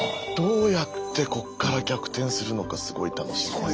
どうやってこっから逆転するのかすごい楽しみです。